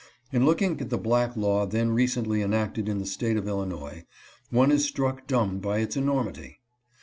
In looking at the black law then recently enacted in the State of Illinois one is struck dumb by its enormity.